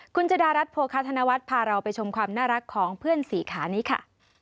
คุณจดารัฐโภคาธนวัฒน์พาเราไปชมความน่ารักของเพื่อนสี่ขานี้ค่ะ